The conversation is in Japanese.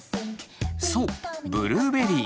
そうブルーベリー。